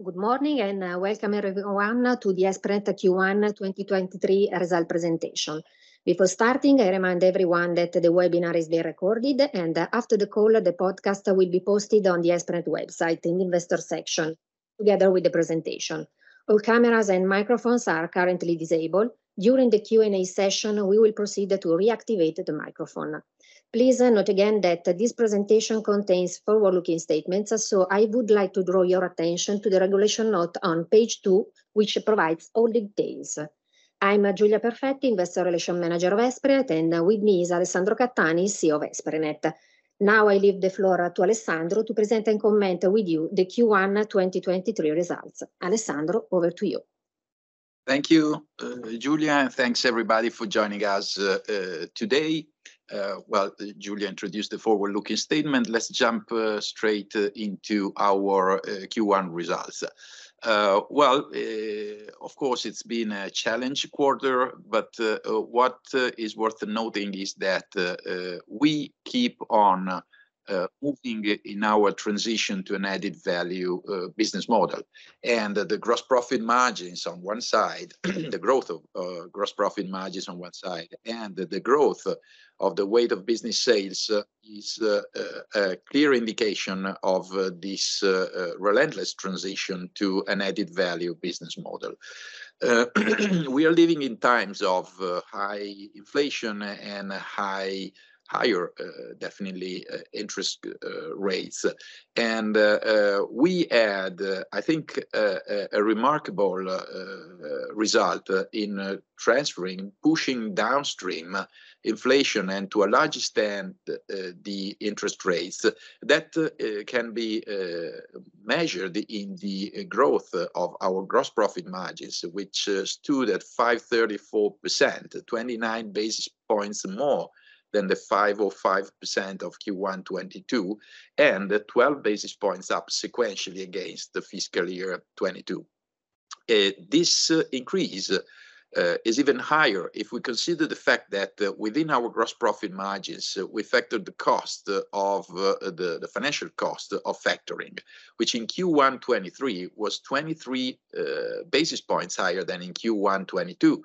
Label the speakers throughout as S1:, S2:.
S1: Good morning, welcome everyone to the Esprinet Q1 2023 result presentation. Before starting, I remind everyone that the webinar is being recorded. After the call, the podcast will be posted on the Esprinet website in Investor section, together with the presentation. All cameras and microphones are currently disabled. During the Q&A session, we will proceed to reactivate the microphone. Please note again that this presentation contains forward-looking statements. I would like to draw your attention to the regulation note on page 2, which provides all details. I'm Giulia Perfetti, Investor Relations Manager of Esprinet. With me is Alessandro Cattani, CEO of Esprinet. Now, I leave the floor to Alessandro to present and comment with you the Q1 2023 results. Alessandro, over to you.
S2: Thank you, Giulia, and thanks everybody for joining us today. Well, Giulia introduced the forward-looking statement. Let's jump straight into our Q1 results. Well, of course, it's been a challenge quarter, but what is worth noting is that we keep on moving in our transition to an added value business model, and the growth of gross profit margins on one side, and the growth of the weight of business sales is a clear indication of this relentless transition to an added value business model. We are living in times of high inflation and high, higher, definitely, interest rates. We had, I think, a remarkable result in transferring, pushing downstream inflation and to a large extent, the interest rates that can be measured in the growth of our gross profit margins, which stood at 5.34%, 29 basis points more than the 5.05% of Q1 2022, and 12 basis points up sequentially against the fiscal year 2022. This increase is even higher if we consider the fact that within our gross profit margins, we factored the cost of the financial cost of factoring, which in Q1 2023 was 23 basis points higher than in Q1 2022,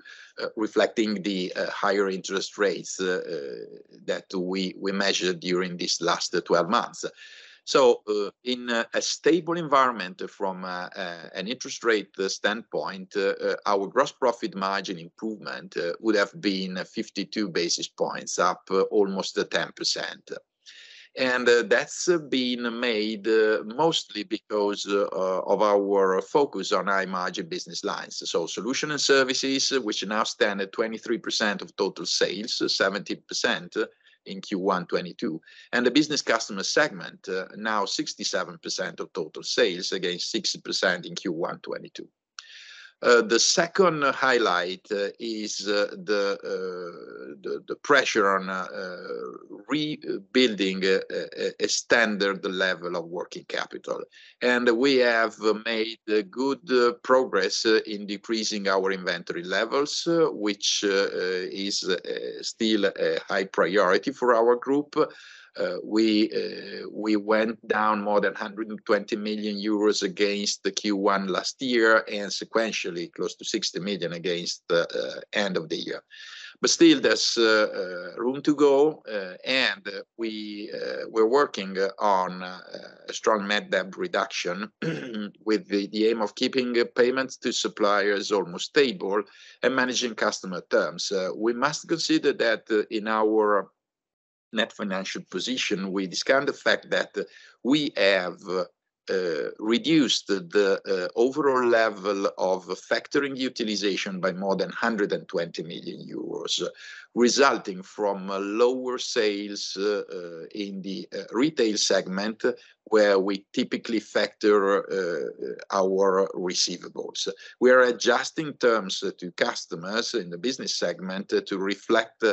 S2: reflecting the higher interest rates that we measured during these last 12 months. In a stable environment from an interest rate standpoint, our gross profit margin improvement would have been 52 basis points, up almost 10%. That's been made mostly because of our focus on high margin business lines. Solution and services, which now stand at 23% of total sales, 17% in Q1 '22, and the business customer segment, now 67% of total sales against 60% in Q1 '22. The second highlight is the pressure on rebuilding a standard level of working capital. We have made good progress in decreasing our inventory levels, which is still a high priority for our group. We went down more than 120 million euros against the Q1 last year, and sequentially close to 60 million against the end of the year. Still there's room to go, and we're working on a strong net debt reduction with the aim of keeping payments to suppliers almost stable and managing customer terms. We must consider that in our net financial position, we discount the fact that we have reduced the overall level of factoring utilization by more than 120 million euros, resulting from lower sales in the retail segment, where we typically factor our receivables. We are adjusting terms to customers in the business segment to reflect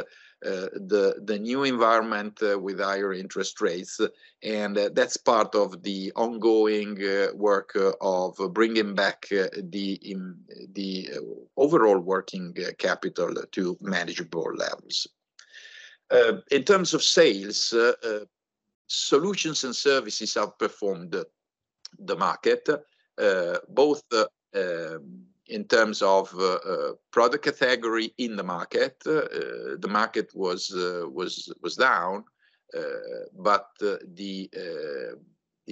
S2: the new environment with higher interest rates, and that's part of the ongoing work of bringing back the overall working capital to manageable levels. In terms of sales, solutions and services outperformed the market, both in terms of product category in the market. The market was down, but the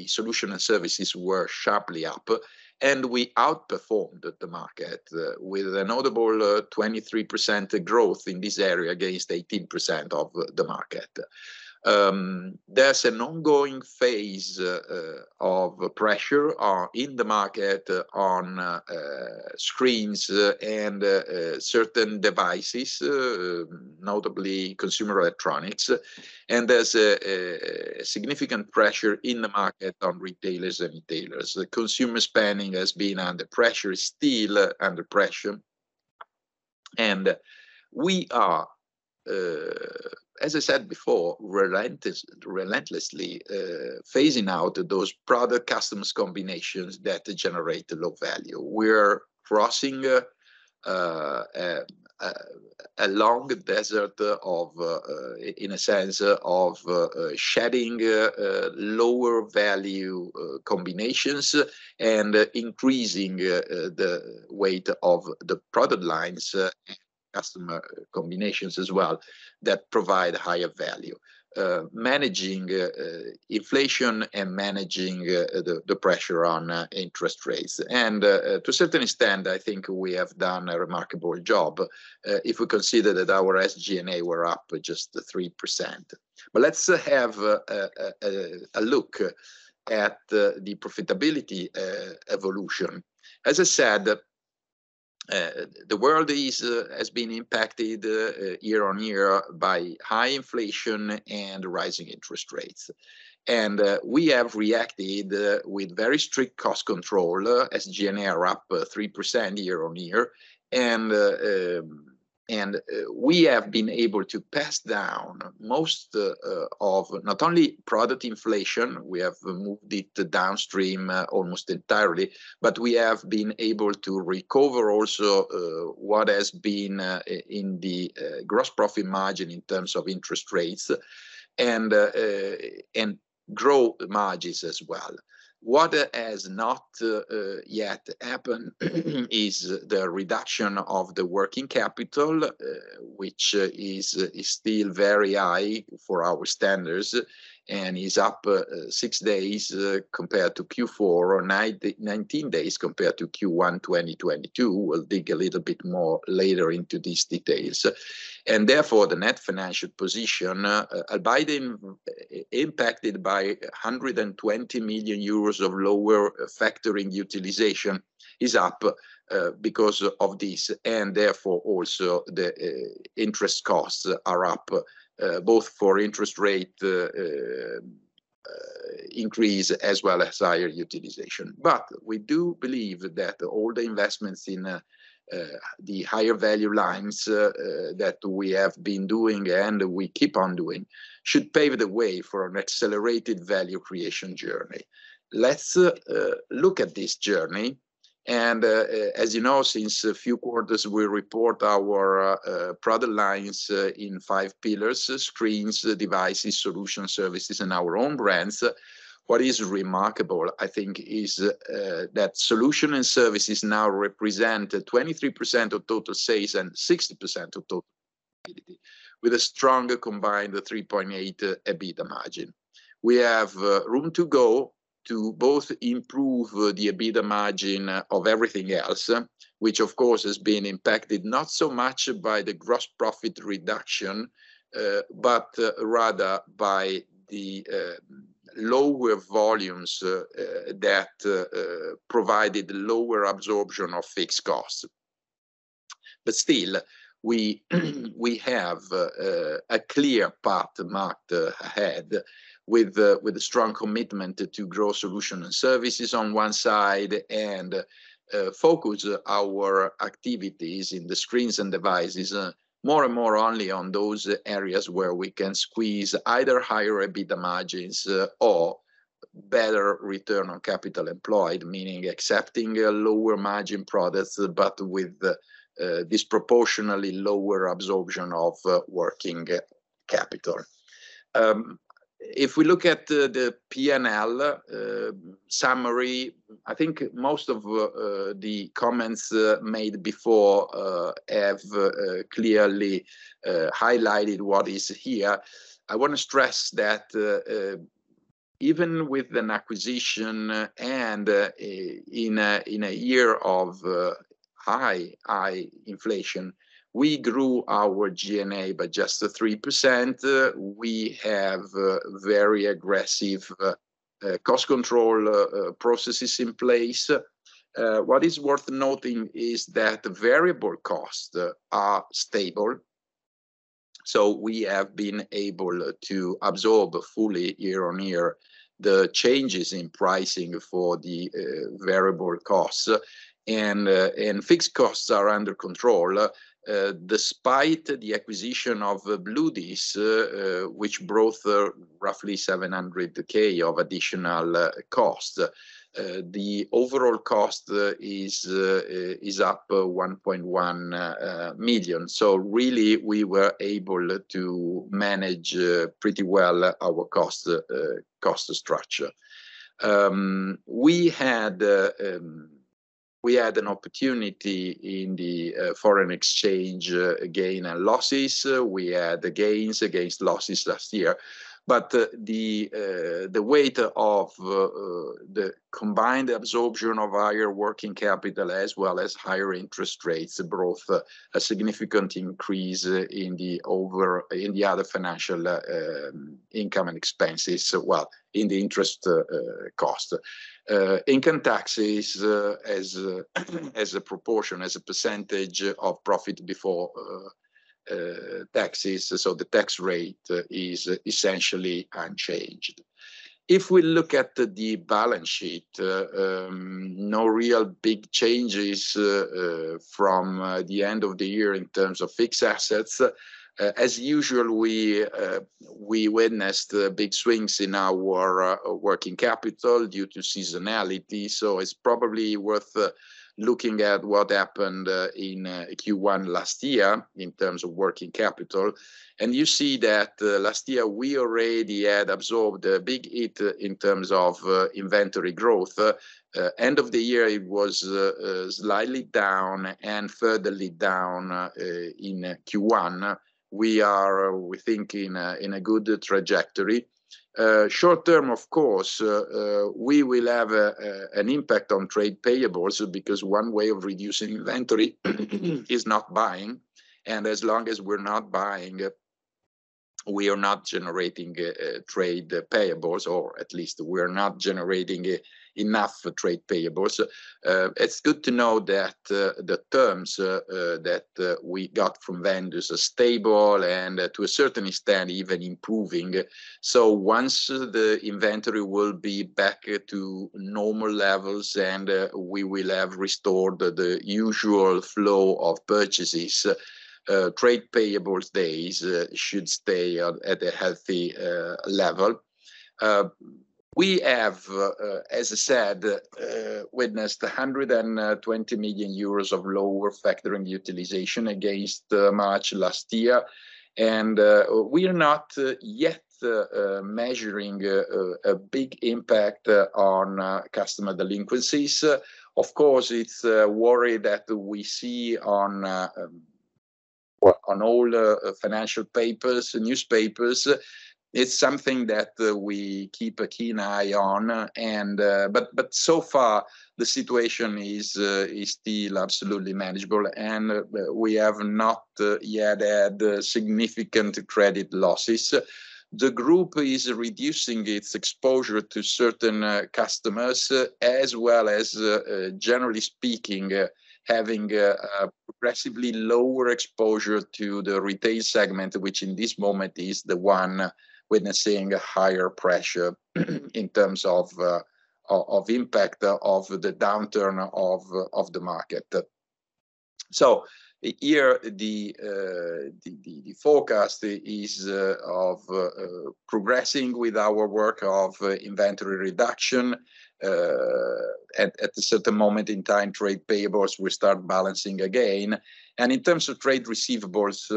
S2: solution and services were sharply up, and we outperformed the market with a notable 23% growth in this area against 18% of the market. There's an ongoing phase of pressure in the market on screens and certain devices, notably consumer electronics. There's a significant pressure in the market on retailers and retailers. The consumer spending has been under pressure, is still under pressure. As I said before, relentlessly phasing out those product customers combinations that generate low value. We're crossing a long desert of, in a sense of, shedding lower value combinations and increasing the weight of the product lines, customer combinations as well that provide higher value. Managing inflation and managing the pressure on interest rates. To a certain extent, I think we have done a remarkable job, if we consider that our SG&A were up just the 3%. Let's have a look at the profitability evolution. As I said, the world has been impacted year-over-year by high inflation and rising interest rates. We have reacted with very strict cost control. SG&A are up 3% year-on-year. We have been able to pass down most of not only product inflation, we have moved it downstream almost entirely, but we have been able to recover also what has been in the gross profit margin in terms of interest rates and grow margins as well. What has not yet happened is the reduction of the working capital, which is still very high for our standards and is up six days compared to Q4 or 19 days compared to Q1 2022. We'll dig a little bit more later into these details. The net financial position, impacted by 120 million euros of lower factoring utilization, is up because of this, and therefore also the interest costs are up both for interest rate increase as well as higher utilization. We do believe that all the investments in the higher value lines that we have been doing and we keep on doing should pave the way for an accelerated value creation journey. Let's look at this journey. As you know, since a few quarters, we report our product lines in 5 pillars: screens, devices, solution, services, and our own brands. What is remarkable, I think, is that solution and services now represent 23% of total sales and 60% of total with a stronger combined 3.8 EBITA margin. We have room to go to both improve the EBITA margin of everything else, which of course has been impacted not so much by the gross profit reduction, but rather by the lower volumes that provided lower absorption of fixed costs. Still, we have a clear path marked ahead with a strong commitment to grow solution and services on one side and focus our activities in the screens and devices more and more only on those areas where we can squeeze either higher EBITA margins or better Return on Capital Employed, meaning accepting a lower margin products, but with disproportionately lower absorption of working capital. If we look at the P&L summary, I think most of the comments made before have clearly highlighted what is here. I want to stress that even with an acquisition and in a year of high inflation, we grew our G&A by just 3%. We have very aggressive cost control processes in place. What is worth noting is that variable costs are stable, so we have been able to absorb fully year-on-year the changes in pricing for the variable costs. Fixed costs are under control despite the acquisition of Bludis, which brought roughly 700k of additional cost. The overall cost is up 1.1 million. Really, we were able to manage pretty well our cost structure. We had an opportunity in the foreign exchange gain and losses. We had gains against losses last year. The weight of the combined absorption of higher working capital as well as higher interest rates brought a significant increase in the other financial income and expenses, well, in the interest cost. Income taxes, as a proportion, as a percentage of profit before taxes, so the tax rate is essentially unchanged. If we look at the balance sheet, no real big changes from the end of the year in terms of fixed assets. As usual, we witnessed big swings in our working capital due to seasonality, so it's probably worth looking at what happened in Q1 last year in terms of working capital. You see that, last year we already had absorbed a big hit in terms of inventory growth. End of the year it was slightly down and furtherly down in Q1. We think in a good trajectory. Short term, of course, we will have an impact on trade payables because one way of reducing inventory is not buying, and as long as we're not buying, we are not generating trade payables, or at least we're not generating enough trade payables. It's good to know that the terms that we got from vendors are stable and to a certain extent even improving. Once the inventory will be back to normal levels and we will have restored the usual flow of purchases, trade payables days should stay at a healthy level. We have, as I said, witnessed 120 million euros of lower factoring utilization against March last year. We are not yet measuring a big impact on customer delinquencies. Of course, it's a worry that we see on well, on all the financial papers, newspapers. It's something that we keep a keen eye on. But so far the situation is still absolutely manageable, and we have not yet had significant credit losses. The group is reducing its exposure to certain customers as well as generally speaking, having a progressively lower exposure to the retail segment, which in this moment is the one witnessing a higher pressure in terms of impact of the downturn of the market. Here the forecast is of progressing with our work of inventory reduction. At a certain moment in time, trade payables will start balancing again. In terms of trade receivables,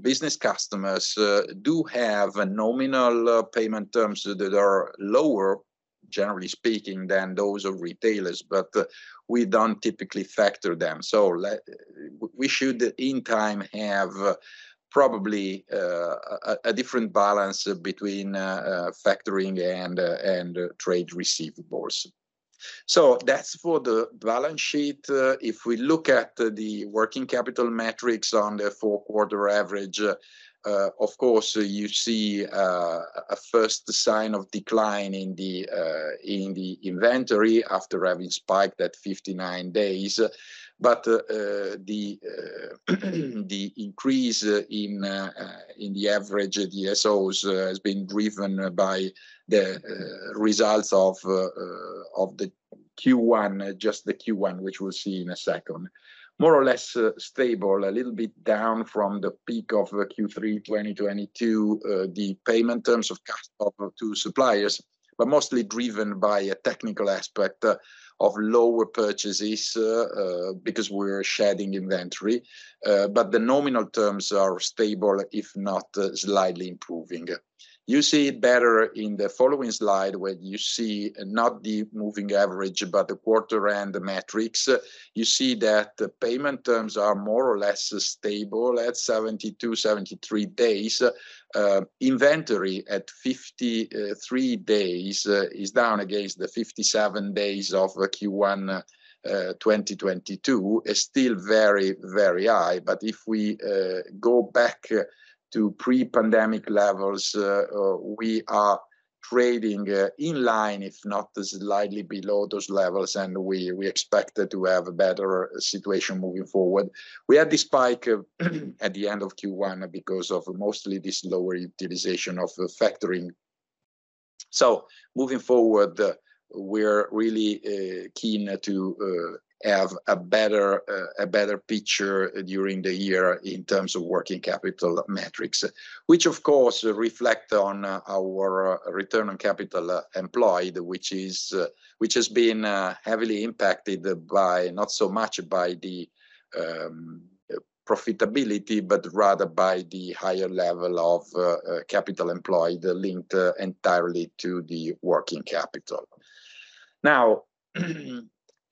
S2: business customers do have nominal payment terms that are lower, generally speaking, than those of retailers, but we don't typically factor them. We should in time have probably a different balance between factoring and trade receivables. That's for the balance sheet. If we look at the working capital metrics on the Q4 average, of course, you see a first sign of decline in the inventory after having spiked at 59 days. The increase in the average DSOs has been driven by the results of the Q1, just the Q1, which we'll see in a second. More or less stable, a little bit down from the peak of Q3 2022, the payment terms of customers to suppliers, but mostly driven by a technical aspect of lower purchases because we're shedding inventory. The nominal terms are stable, if not slightly improving. You see it better in the following slide where you see not the moving average, but the quarter and the metrics. You see that payment terms are more or less stable at 72-73 days. Inventory at 53 days is down against the 57 days of Q1 2022. Still very, very high. If we go back to pre-pandemic levels, we are trading in line, if not slightly below those levels. We expect to have a better situation moving forward. We had this spike at the end of Q1 because of mostly this lower utilization of the factoring. Moving forward, we're really keen to have a better a better picture during the year in terms of working capital metrics, which of course reflect on our Return on Capital Employed, which is which has been heavily impacted by, not so much by the profitability, but rather by the higher level of capital employed linked entirely to the working capital.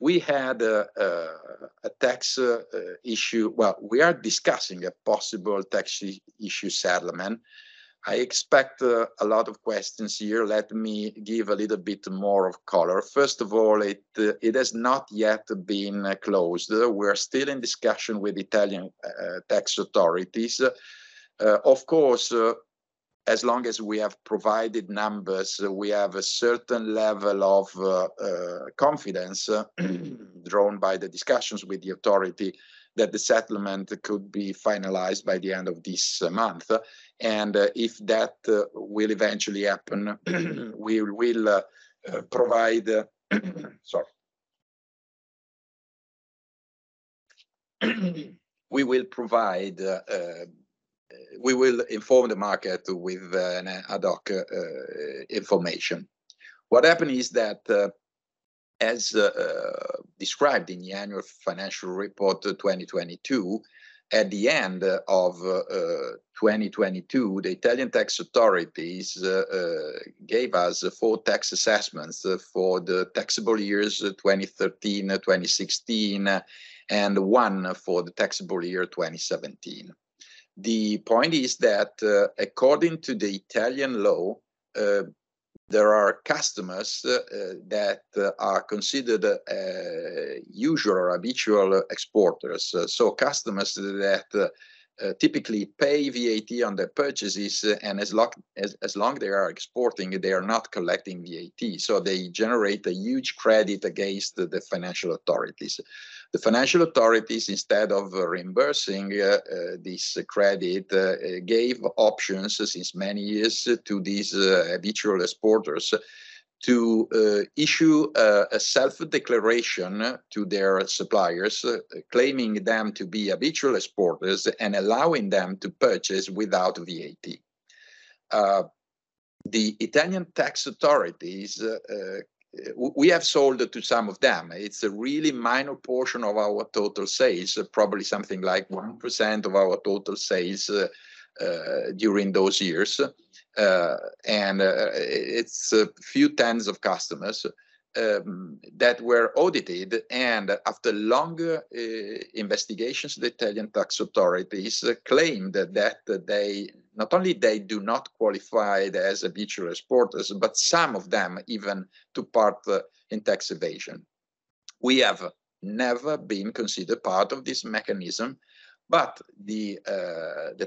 S2: We had a tax issue. We are discussing a possible tax issue settlement. I expect a lot of questions here. Let me give a little bit more of color. First of all, it has not yet been closed. We're still in discussion with Italian tax authorities. Of course, as long as we have provided numbers, we have a certain level of confidence drawn by the discussions with the authority that the settlement could be finalized by the end of this month. If that will eventually happen, we will provide, we will inform the market with ad hoc information. What happened is that as described in the annual financial report 2022, at the end of 2022, the Italian tax authorities gave us four tax assessments for the taxable years 2013, 2016, and one for the taxable year 2017. The point is that according to the Italian law, there are customers that are considered usual or habitual exporters. Customers that typically pay VAT on their purchases, and as long as they are exporting, they are not collecting VAT. They generate a huge credit against the financial authorities. The financial authorities, instead of reimbursing this credit, gave options since many years to these habitual exporters to issue a self-declaration to their suppliers, claiming them to be habitual exporters and allowing them to purchase without VAT. The Italian Tax Authorities, we have sold to some of them. It's a really minor portion of our total sales, probably something like 1% of our total sales during those years. It's a few tens of customers that were audited. After longer investigations, the Italian Tax Authorities claimed that they, not only they do not qualify as habitual exporters, but some of them even took part in tax evasion. We have never been considered part of this mechanism. The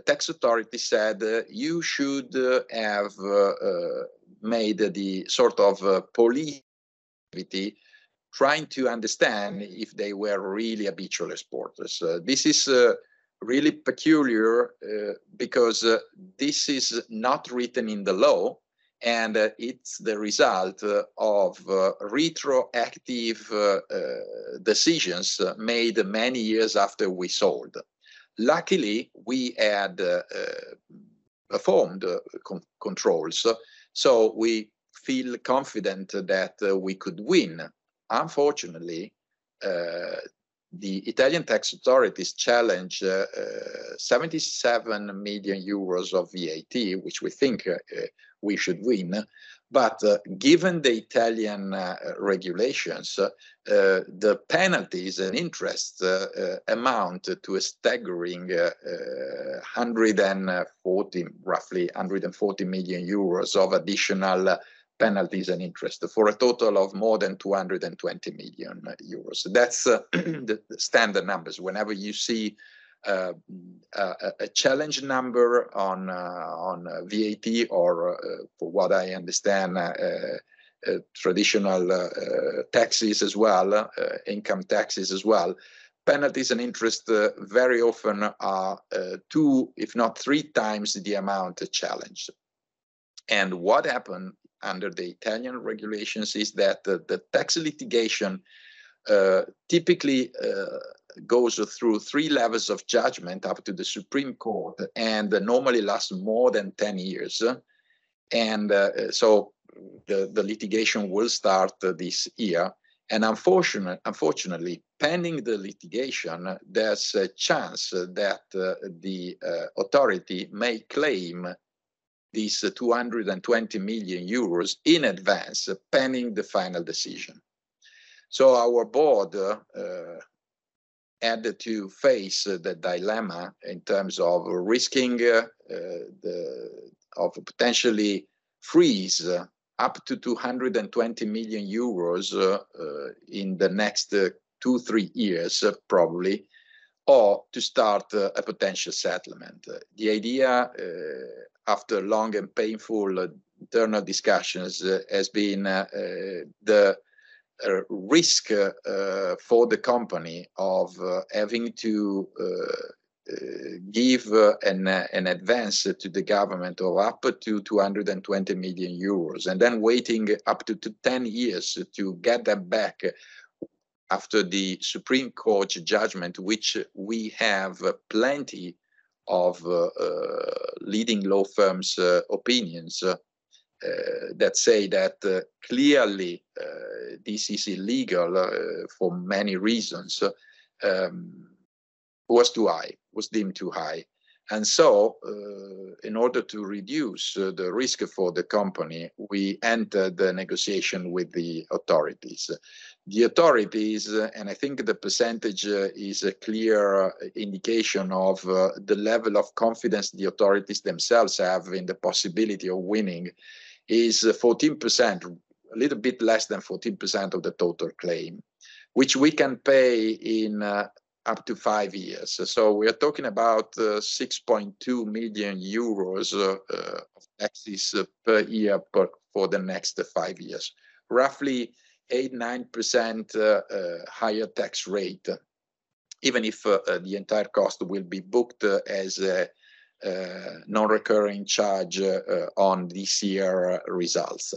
S2: Tax Authorities said you should have made the sort of policy trying to understand if they were really habitual exporters. This is really peculiar because this is not written in the law. It's the result of retroactive decisions made many years after we sold. Luckily, we had performed controls. We feel confident that we could win. Unfortunately, the Italian tax authorities challenged 77 million euros of VAT, which we think we should win. Given the Italian regulations, the penalties and interest amount to a staggering 140, roughly 140 million euros of additional penalties and interest for a total of more than 220 million euros. That's the standard numbers. Whenever you see a challenge number on VAT or for what I understand, traditional taxes as well, income taxes as well, penalties and interest very often are two, if not three times the amount challenged. What happened under the Italian regulations is that the tax litigation typically goes through three levels of judgment up to the Supreme Court and normally lasts more than 10 years. The litigation will start this year. Unfortunately, pending the litigation, there's a chance that the authority may claim these 220 million euros in advance pending the final decision. Our board had to face the dilemma in terms of risking of potentially freeze up to 220 million euros in the next two, three years probably, or to start a potential settlement. The idea after long and painful internal discussions has been the risk for the company of having to give an advance to the government of up to 220 million euros and then waiting up to 10 years to get that back after the Supreme Court judgment, which we have plenty of leading law firms' opinions that say that clearly this is illegal for many reasons, was too high, was deemed too high. In order to reduce the risk for the company, we entered the negotiation with the authorities. The authorities, I think the percentage is a clear indication of the level of confidence the authorities themselves have in the possibility of winning, is 14%, a little bit less than 14% of the total claim, which we can pay in up to 5 years. We are talking about 6.2 million euros of taxes per year for the next five years, roughly 8%-9% higher tax rate. Even if the entire cost will be booked as a non-recurring charge on this year results.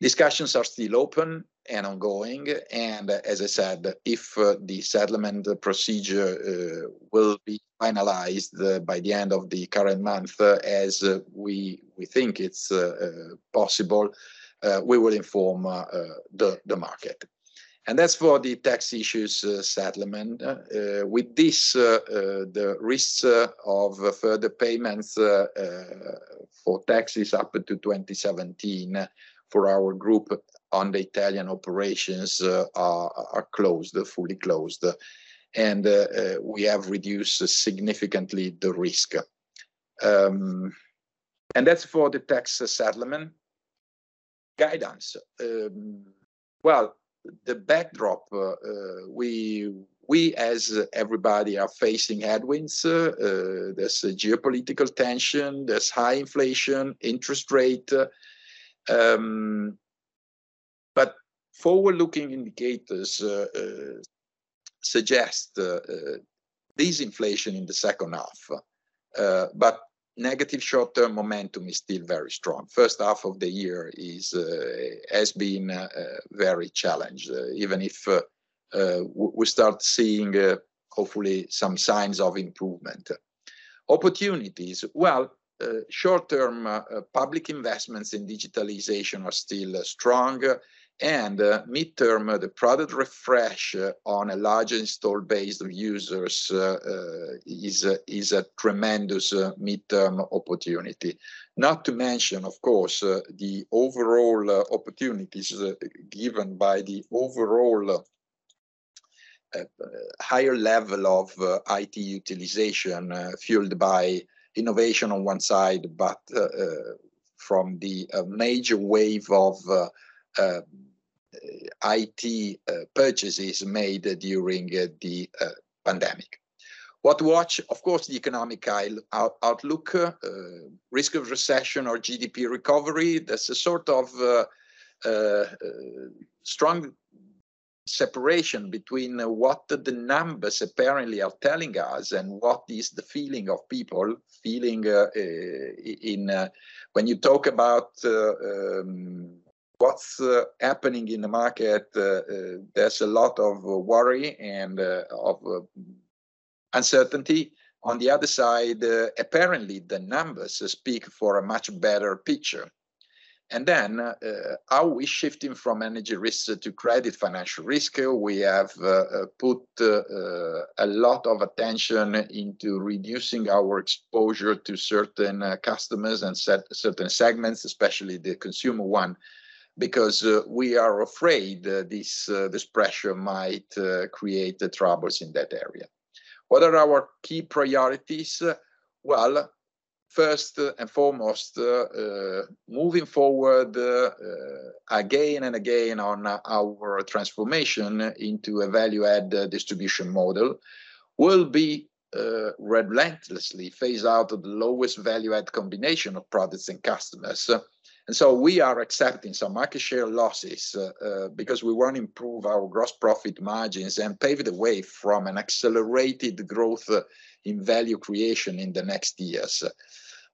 S2: Discussions are still open and ongoing, as I said, if the settlement procedure will be finalized by the end of the current month, as we think it's possible, we will inform the market. That's for the tax issues settlement. With this, the risks of further payments for taxes up to 2017 for our group on the Italian operations are closed, fully closed. We have reduced significantly the risk. That's for the tax settlement guidance. Well, the backdrop, we as everybody are facing headwinds. There's a geopolitical tension, there's high inflation, interest rate, but forward-looking indicators suggest disinflation in the second half. But negative short-term momentum is still very strong. First half of the year has been very challenged, even if we start seeing hopefully some signs of improvement. Opportunities. Well, short term, public investments in digitalization are still strong, and midterm, the product refresh on a large installed base of users is a tremendous midterm opportunity. Not to mention, of course, the overall opportunities given by the overall higher level of IT utilization, fueled by innovation on one side, but from the major wave of IT purchases made during the pandemic. What to watch, of course, the economic outlook, risk of recession or GDP recovery. There's a sort of strong separation between what the numbers apparently are telling us and what is the feeling of people feeling in when you talk about what's happening in the market, there's a lot of worry and of uncertainty. On the other side, apparently the numbers speak for a much better picture. Are we shifting from energy risks to credit financial risk? We have put a lot of attention into reducing our exposure to certain customers and set certain segments, especially the consumer one, because we are afraid this pressure might create troubles in that area. What are our key priorities? Well, first and foremost, moving forward again and again on our transformation into a value add distribution model will be relentlessly phase out the lowest value add combination of products and customers. We are accepting some market share losses because we want to improve our gross profit margins and pave the way from an accelerated growth in value creation in the next years.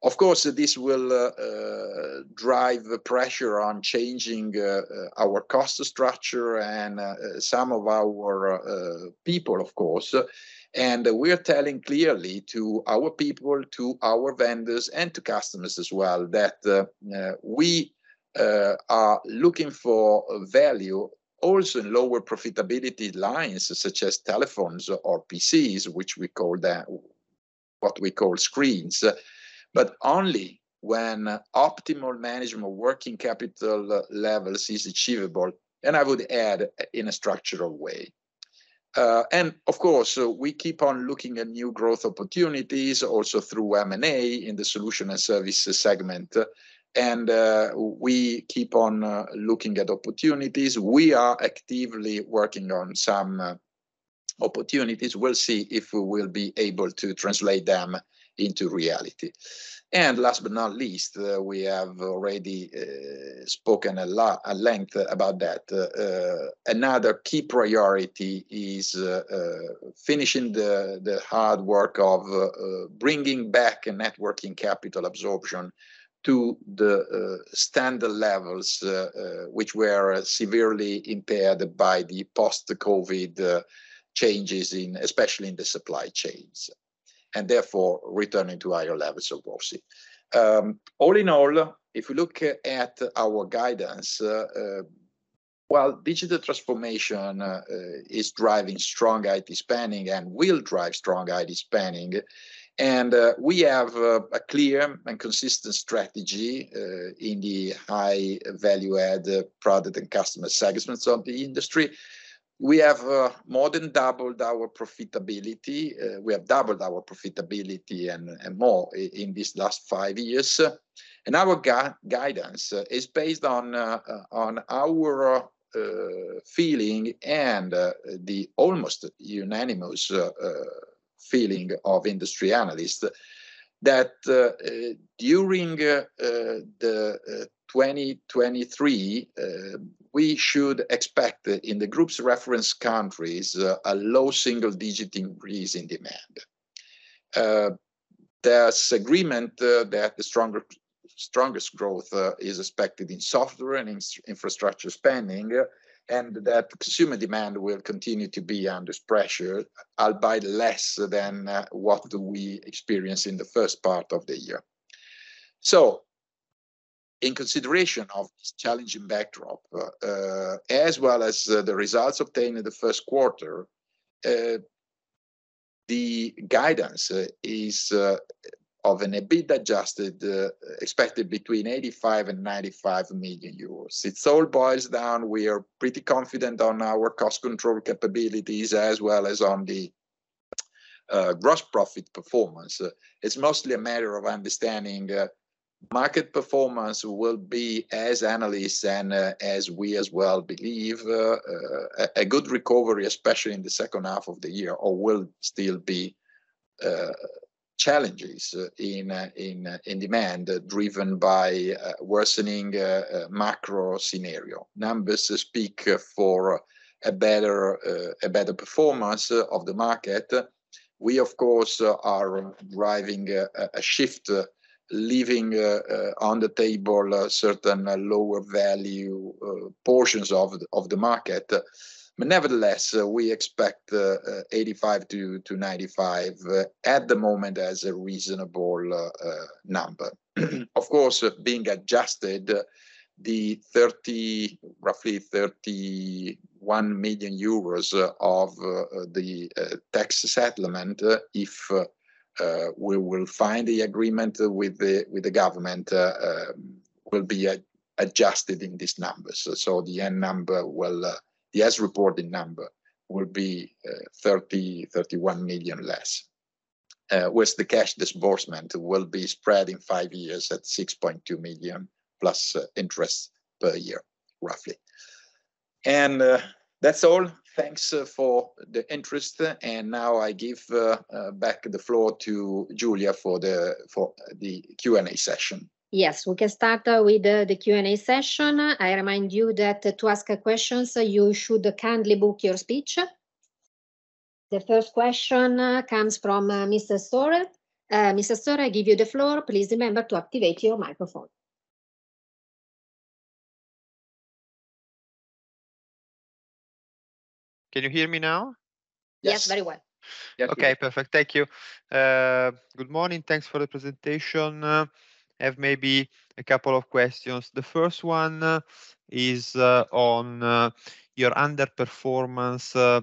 S2: Of course, this will drive pressure on changing our cost structure and some of our people, of course. And we are telling clearly to our people, to our vendors, and to customers as well, that, we, are looking for value also in lower profitability lines, such as telephones or PCs, which we call the, what we call screens, but only when optimal management working capital levels is achievable, and I would add in a structural way. And of course, we keep on looking at new growth opportunities also through M&A in the solution and services segment. And, uh, we keep on, uh, looking at opportunities. We are actively working on some opportunities. We'll see if we will be able to translate them into reality. And last but not least, we have already, uh, spoken a lot, at length about that. Another key priority is finishing the hard work of bringing back a networking capital absorption to the standard levels, which were severely impaired by the post-COVID changes in, especially in the supply chains, and therefore returning to higher levels of proxy. All in all, if you look at our guidance, well, digital transformation is driving strong IT spending and will drive strong IT spending. We have a clear and consistent strategy in the high value add product and customer segments of the industry. We have more than doubled our profitability. We have doubled our profitability and more in this last five years. Our guidance is based on our feeling and the almost unanimous feeling of industry analysts that during 2023, we should expect in the group's reference countries a low single digit increase in demand. There's agreement that the strongest growth is expected in software and in infrastructure spending, and that consumer demand will continue to be under pressure, albeit less than what we experience in the first part of the year. In consideration of this challenging backdrop, as well as the results obtained in the Q1, the guidance is of an EBIT Adjusted expected between 85 million and 95 million euros. It all boils down, we are pretty confident on our cost control capabilities as well as on the gross profit performance. It's mostly a matter of understanding market performance will be as analysts and as we as well believe a good recovery, especially in the second half of the year, or will still be challenges in demand driven by worsening macro scenario. Numbers speak for a better performance of the market. We of course are driving a shift, leaving on the table certain lower value portions of the market. Nevertheless, we expect 85 to 95 at the moment as a reasonable number. Of course, being adjusted the 30 million, roughly 31 million euros of the tax settlement, if we will find the agreement with the government, will be adjusted in these numbers. The end number will, the as reported number will be 30 million, 31 million less, with the cash disbursement will be spread in five years at 6.2 million plus interests per year, roughly. That's all. Thanks for the interest, and now I give back the floor to Giulia for the Q&A session.
S1: Yes. We can start with the Q&A session. I remind you that to ask questions, you should kindly book your speech. The first question comes from Mr. Storer. Mr. Storer, I give you the floor. Please remember to activate your microphone.
S3: Can you hear me now?
S1: Yes, very well.
S2: Yes, we can.
S3: Okay, perfect. Thank you. Good morning. Thanks for the presentation. I have maybe a couple of questions. The first one is on your underperformance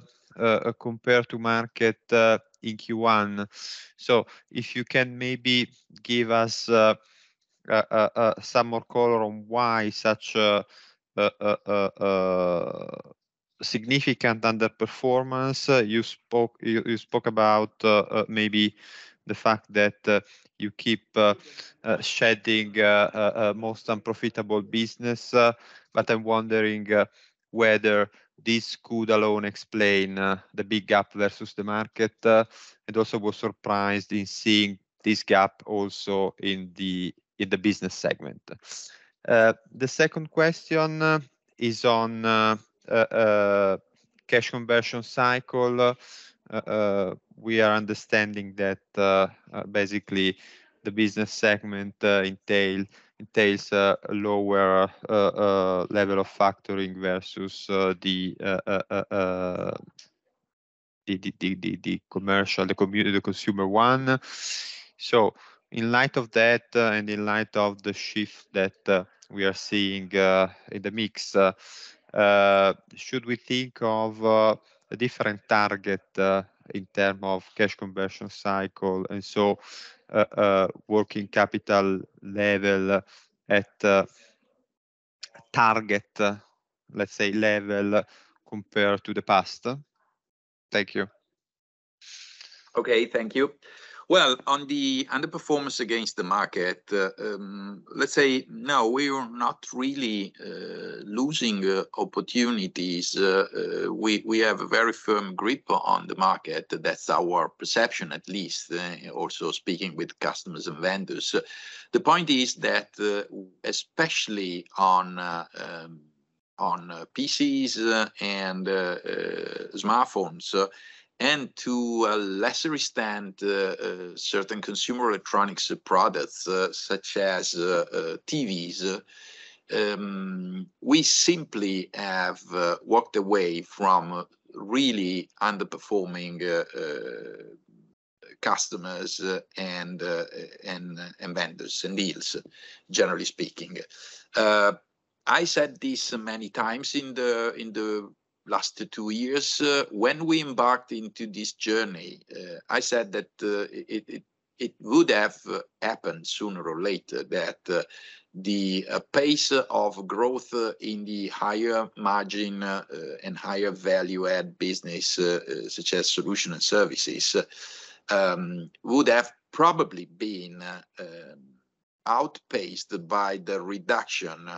S3: compared to market in Q1. If you can maybe give us some more color on why such a significant underperformance. You spoke, you spoke about maybe the fact that you keep shedding most unprofitable business, but I'm wondering whether this could alone explain the big gap versus the market. And also was surprised in seeing this gap also in the business segment. The second question is on Cash Conversion Cycle. We are understanding that basically the business segment entails a lower level of factoring versus the commercial, the community, the consumer one. In light of that, and in light of the shift that we are seeing in the mix, should we think of a different target in term of Cash Conversion Cycle and so working capital level at target, let's say, level compared to the past? Thank you.
S2: Okay, thank you. Well, on the underperformance against the market, let's say no, we are not really losing opportunities. We have a very firm grip on the market. That's our perception, at least, also speaking with customers and vendors. The point is that especially on PCs and smartphones, and to a lesser extent, certain consumer electronics products, such as TVs, we simply have walked away from really underperforming customers, and vendors and deals, generally speaking. I said this many times in the last 2 years, when we embarked into this journey, I said that it would have happened sooner or later that the pace of growth, in the higher margin, and higher value add business, such as solution and services, would have probably been Outpaced by the reduction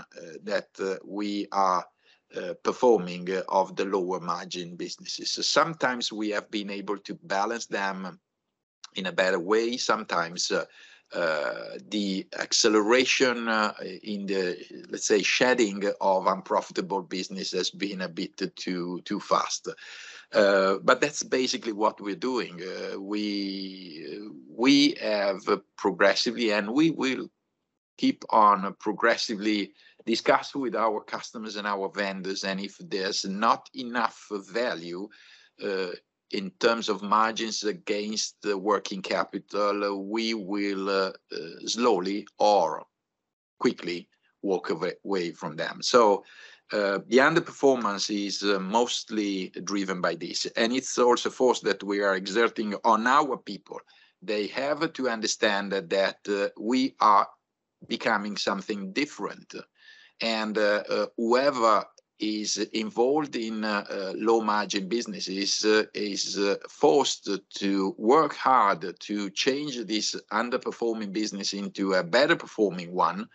S2: that we are performing of the lower margin businesses. Sometimes we have been able to balance them in a better way. Sometimes, the acceleration in the, let's say, shedding of unprofitable business has been a bit too fast. That's basically what we're doing. We have progressively, and we will keep on progressively discuss with our customers and our vendors, and if there's not enough value, in terms of margins against the working capital, we will slowly or quickly walk away from them. The underperformance is mostly driven by this, and it's also a force that we are exerting on our people. They have to understand that, we are becoming something different. Whoever is involved in low margin businesses is forced to work hard to change this underperforming business into a better performing one,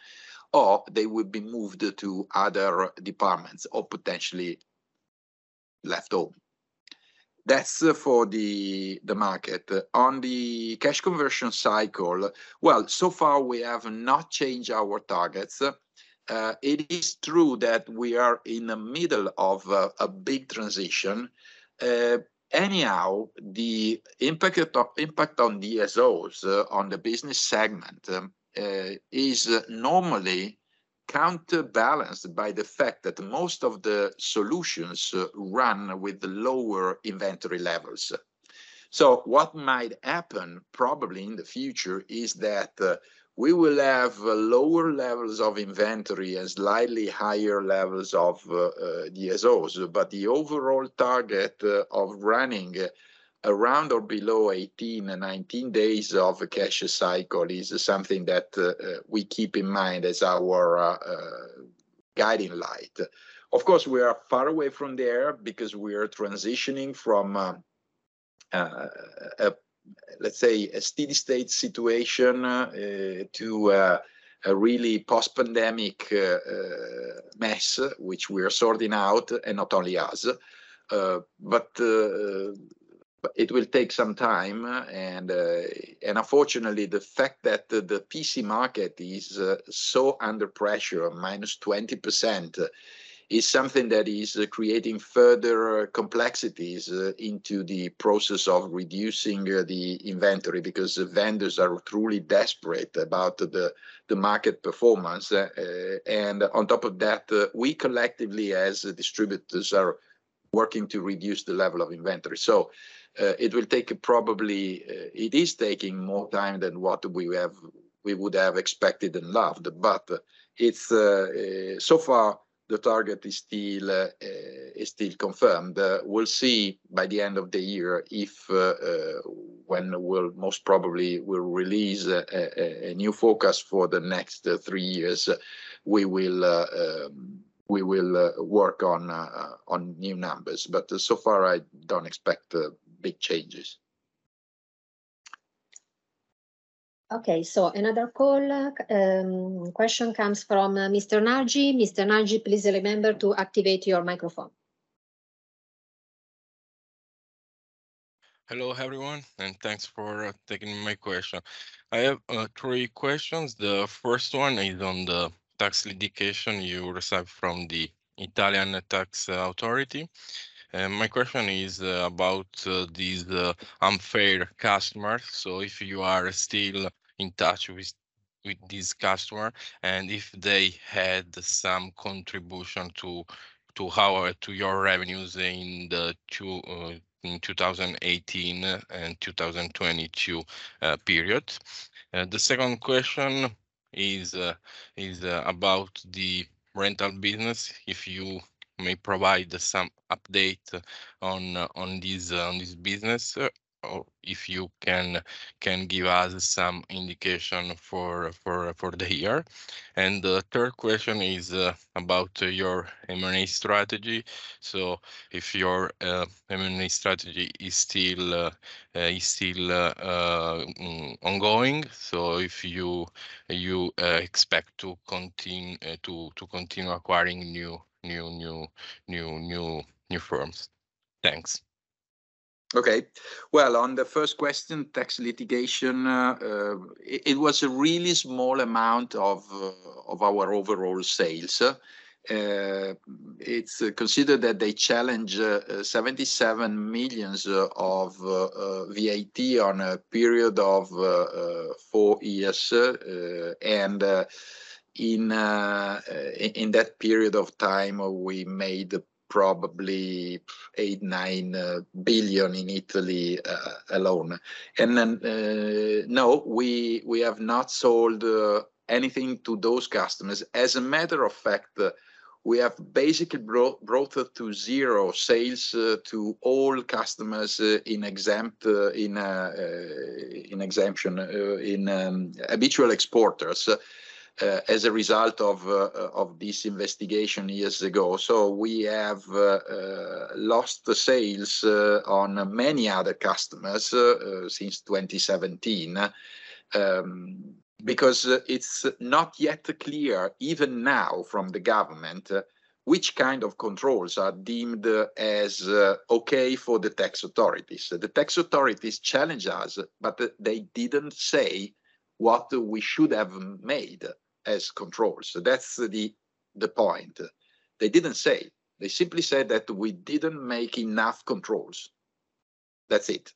S2: or they would be moved to other departments or potentially left home. That's for the market. On the Cash Conversion Cycle, well, so far we have not changed our targets. It is true that we are in the middle of a big transition. Anyhow, the impact on DSO on the business segment is normally counterbalanced by the fact that most of the solutions run with lower inventory levels. What might happen probably in the future is that we will have lower levels of inventory and slightly higher levels of DSO. The overall target of running around or below 18 and 19 days of cash cycle is something that we keep in mind as our guiding light. Of course, we are far away from there because we are transitioning from, let's say a steady state situation to a really post-pandemic mess, which we are sorting out, and not only us. It will take some time and unfortunately, the fact that the PC market is so under pressure, -20%, is something that is creating further complexities into the process of reducing the inventory because vendors are truly desperate about the market performance. On top of that, we collectively as distributors are working to reduce the level of inventory. It is taking more time than what we would have expected and loved. It's so far the target is still confirmed. We'll see by the end of the year if when we'll most probably will release a new focus for the next 3 years. We will work on new numbers. So far I don't expect big changes.
S1: Okay. Another call, question comes from Mr. Nargi. Mr. Nargi, please remember to activate your microphone.
S4: Hello, everyone, and thanks for taking my question. I have three questions. The first one is on the tax litigation you received from the Italian Tax Authority. My question is about these unfair customers. If you are still in touch with this customer, and if they had some contribution to your revenues in the 2018 and 2022 period. The second question is about the rental business. If you may provide some update on this business, or if you can give us some indication for the year. The third question is about your M&A strategy. If your M&A strategy is still ongoing. If you expect to continue acquiring new firms. Thanks.
S2: Okay. Well, on the first question, tax litigation, it was a really small amount of our overall sales. It's considered that they challenge 77 million VAT on a period of four years. In that period of time, we made probably 8 billion-9 billion in Italy alone. No, we have not sold anything to those customers. As a matter of fact, we have basically brought to zero sales to all customers in exempt, in exemption, in habitual exporters. As a result of this investigation years ago, we have lost the sales on many other customers since 2017, because it's not yet clear even now from the government which kind of controls are deemed as okay for the tax authorities. The tax authorities challenged us, but they didn't say what we should have made as controls, so that's the point. They didn't say. They simply said that we didn't make enough controls. That's it.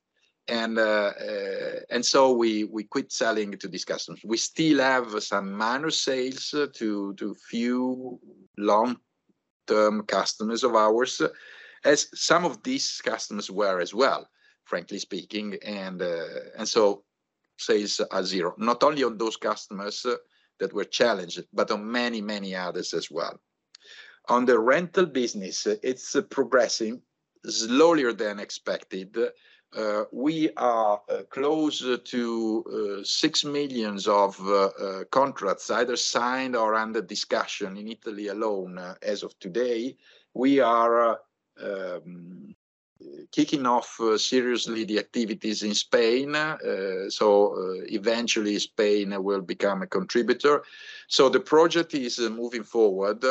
S2: We quit selling to these customers. We still have some minor sales to few long-term customers of ours, as some of these customers were as well, frankly speaking. Sales are zero, not only on those customers that were challenged, but on many, many others as well. On the rental business, it's progressing slower than expected. We are close to 6 million of contracts either signed or under discussion in Italy alone as of today. We are kicking off seriously the activities in Spain, so eventually Spain will become a contributor. The project is moving forward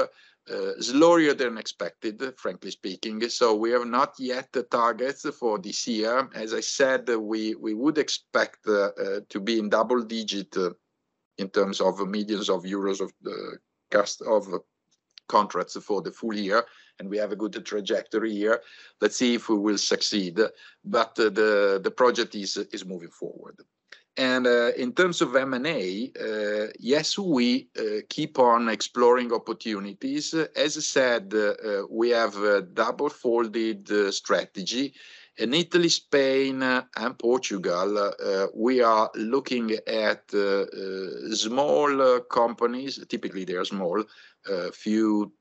S2: slower than expected, frankly speaking, so we have not yet the targets for this year. As I said, we would expect to be in double digit in terms of millions of EUR of the cost of contracts for the full year, and we have a good trajectory here. Let's see if we will succeed. The project is moving forward. In terms of M&A, yes, we keep on exploring opportunities. As I said, we have a double-folded strategy. In Italy, Spain, and Portugal, we are looking at small companies, typically they are small, few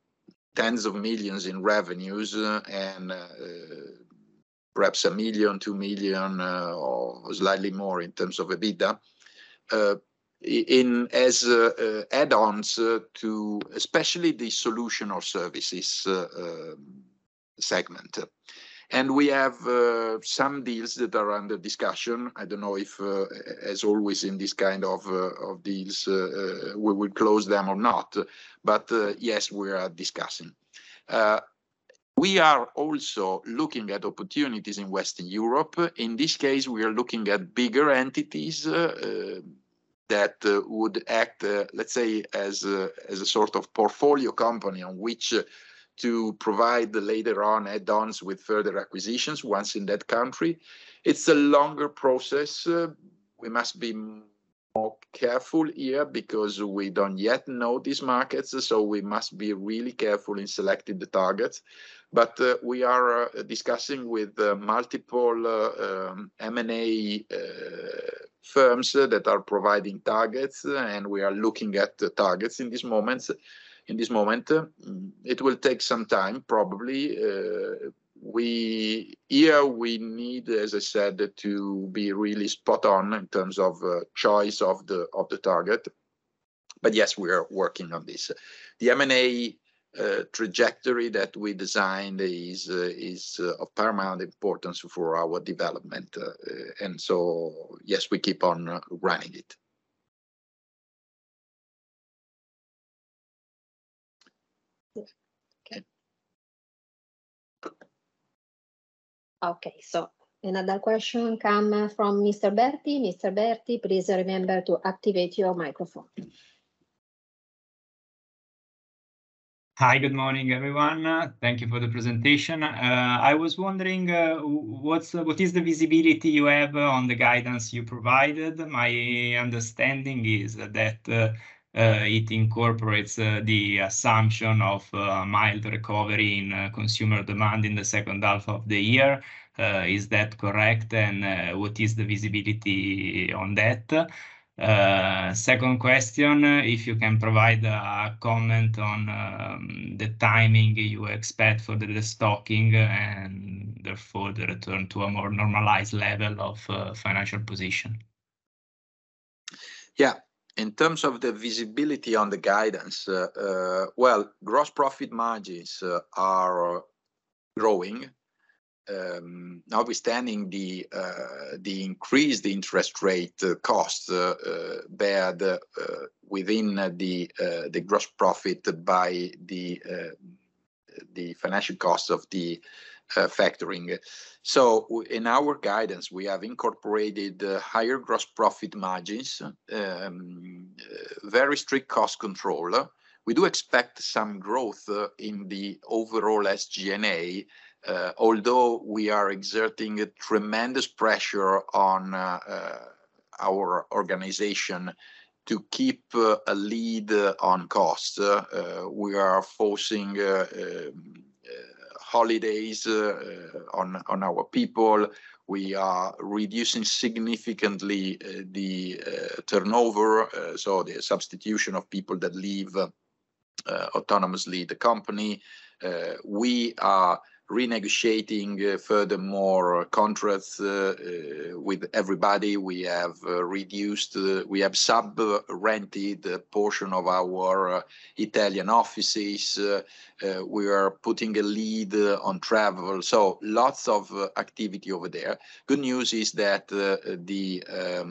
S2: tens of millions in revenues and perhaps 1 million, 2 million, or slightly more in terms of EBITDA, as add-ons to especially the solution or services segment. We have some deals that are under discussion. I don't know if as always in this kind of deals, we will close them or not, but yes, we are discussing. We are also looking at opportunities in Western Europe. In this case, we are looking at bigger entities that would act, let's say as a sort of portfolio company on which to provide later on add-ons with further acquisitions once in that country. It's a longer process. We must be more careful here because we don't yet know these markets, so we must be really careful in selecting the targets. We are discussing with multiple M&A firms that are providing targets, and we are looking at the targets in this moment. It will take some time probably. Here we need, as I said, to be really spot on in terms of choice of the target. Yes, we are working on this. The M&A trajectory that we designed is of paramount importance for our development, yes, we keep on running it.
S1: Okay. Okay, another question come from Mr. Berti please remember to activate your microphone.
S5: Hi, good morning, everyone. Thank You for the presentation. I was wondering what is the visibility you have on the guidance you provided? My understanding is that it incorporates the assumption of mild recovery in consumer demand in the second half of the year. Is that correct? What is the visibility on that? Second question, if you can provide a comment on the timing you expect for the restocking and therefore the return to a more normalized level of financial position.
S2: Yeah. In terms of the visibility on the guidance, well, gross profit margins, are growing, notwithstanding the, the increased interest rate costs, bear the, within the gross profit by the financial costs of the factoring. So, in our guidance, we have incorporated higher gross profit margins, very strict cost control. We do expect some growth, in the overall SG&A, although we are exerting tremendous pressure on, our organization to keep a lead on cost. We are forcing, holidays, on, our people. We are reducing significantly, the, turnover, so the substitution of people that leave, autonomously the company. We are renegotiating furthermore contracts, with everybody. We have, reduced, we have sub-rented the portion of our Italian offices. We are putting a lead on travel, so lots of activity over there. Good news is that the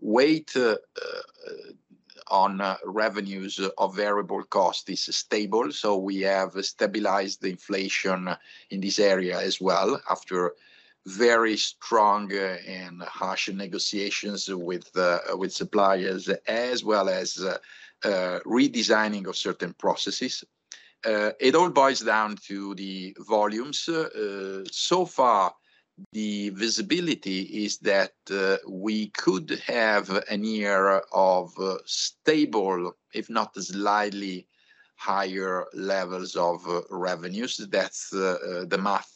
S2: weight on revenues of variable cost is stable, so we have stabilized the inflation in this area as well after very strong and harsh negotiations with suppliers, as well as redesigning of certain processes. It all boils down to the volumes. Far the visibility is that we could have a year of stable, if not slightly higher levels of revenues. That's the math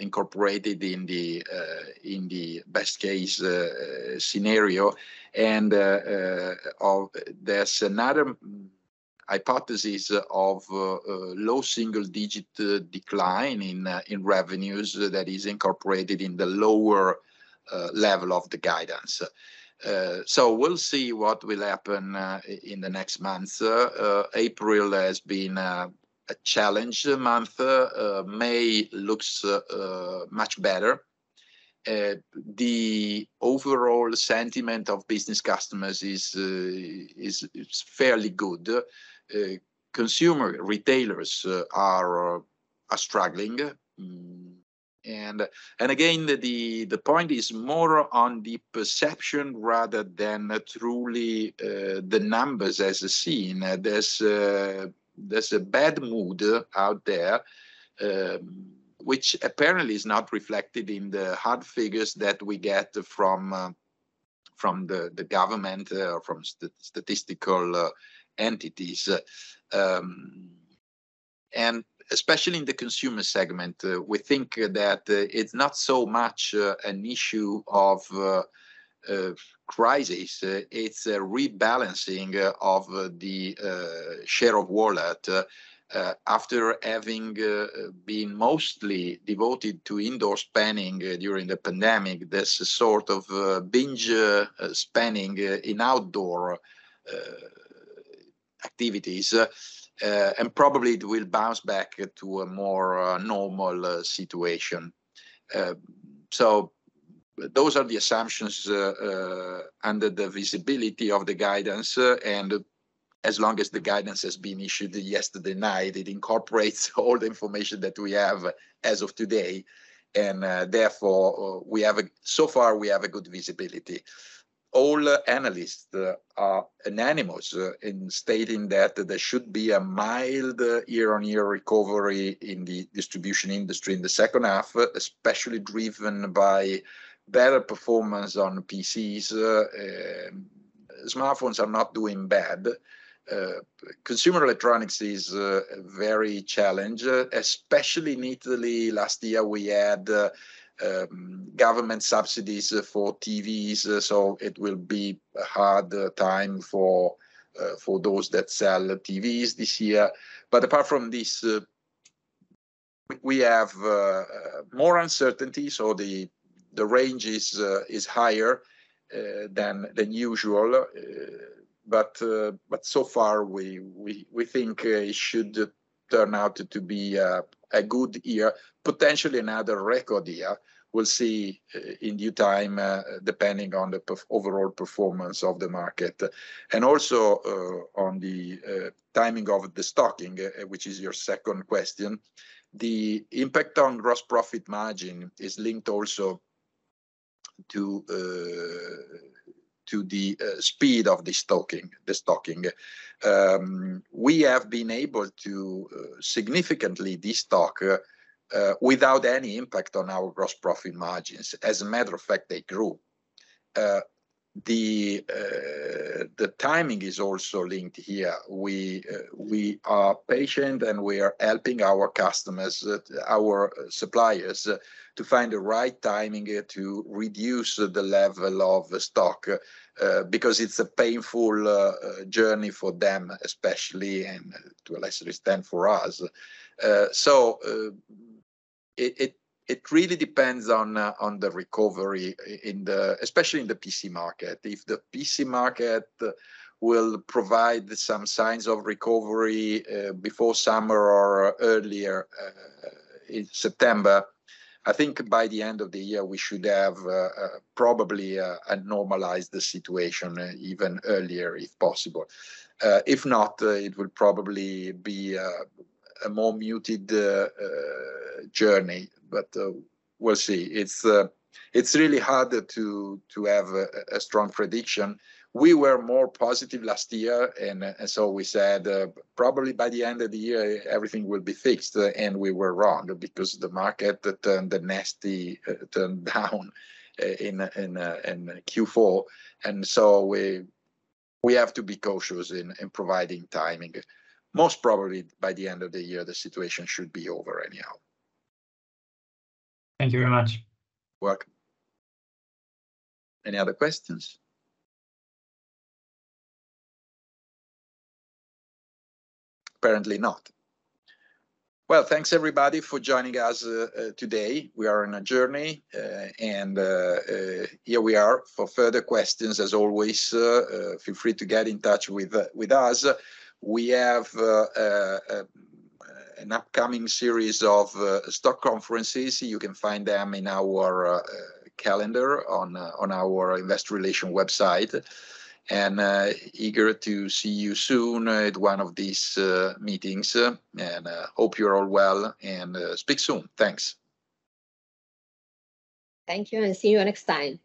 S2: incorporated in the best-case scenario. There's another hypothesis of low single digit decline in revenues that is incorporated in the lower level of the guidance. We'll see what will happen in the next months. April has been a challenged month. May looks much better. The overall sentiment of business customers is fairly good. Consumer retailers are struggling. again, the point is more on the perception rather than truly the numbers as seen. There's a bad mood out there, which apparently is not reflected in the hard figures that we get from the government, from statistical entities. especially in the consumer segment, we think that it's not so much an issue of crisis, it's a rebalancing of the share of wallet. After having been mostly devoted to indoor spending during the pandemic, there's a sort of binge spending in outdoor activities. Probably it will bounce back to a more normal situation. Those are the assumptions under the visibility of the guidance. As long as the guidance has been issued yesterday night, it incorporates all the information that we have as of today, therefore, so far, we have a good visibility. All analysts are anonymous in stating that there should be a mild year-over-year recovery in the distribution industry in the second half, especially driven by better performance on PCs. Smartphones are not doing bad. Consumer electronics is very challenged, especially in Italy. Last year we had government subsidies for TVs, it will be a hard time for those that sell TVs this year. Apart from this, we have more uncertainty, so the range is higher than usual. So far we think it should turn out to be a good year. Potentially another record year. We'll see in due time, depending on the overall performance of the market. Also, on the timing of the stocking, which is your second question, the impact on gross profit margin is linked also to the speed of the stocking. We have been able to significantly destock without any impact on our gross profit margins. As a matter of fact, they grew. The timing is also linked here. We are patient, we are helping our customers, our suppliers to find the right timing to reduce the level of the stock, because it's a painful journey for them especially, and to a lesser extent for us. It really depends on the recovery in the, especially in the PC market. If the PC market will provide some signs of recovery before summer or earlier in September, I think by the end of the year we should have probably normalized the situation even earlier, if possible. If not, it will probably be a more muted journey, we'll see. It's really hard to have a strong prediction. We were more positive last year and so we said, probably by the end of the year everything will be fixed, and we were wrong because the market turned, the nasty turned down in Q4. We have to be cautious in providing timing. Most probably by the end of the year the situation should be over anyhow. Thank you very much. You're welcome. Any other questions? Apparently not. Thanks everybody for joining us today. We are on a journey, and here we are. For further questions, as always, feel free to get in touch with us. We have an upcoming series of stock conferences. You can find them in our calendar on our investor relation website. Eager to see you soon at one of these meetings. Hope you're all well, and speak soon. Thanks.
S1: Thank you and see you next time.